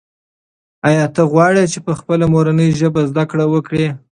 آیا ته غواړې چې په خپله مورنۍ ژبه زده کړه وکړې؟